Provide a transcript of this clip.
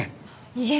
いえ。